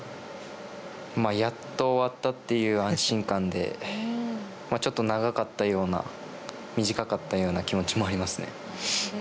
まぁやっと終わったっていう安心感でちょっと長かったような短かったような気持ちもありますね。